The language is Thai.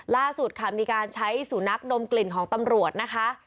ล่าสุดค่ะมีการใช้สูนักดมกลิ่นของตำรวจนะคะ